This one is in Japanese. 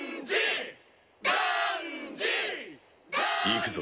いくぞ。